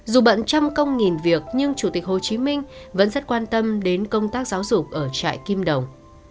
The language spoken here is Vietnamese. dù bận trăm công nghìn việc nhưng chủ tịch hồ chí minh vẫn rất quan tâm đến công tác giáo dục ở trại kim đồng